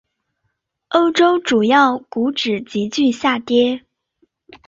欧洲主要股指急剧下跌。